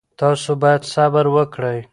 تاسو باید صبر وکړئ.